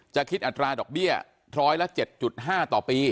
จะคิดอัตราดอกเบี้ยร้อยละเจ็ดจุดห้าต่อปี